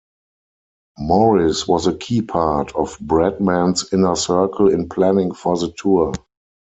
Morris was a key part of Bradman's inner circle in planning for the tour.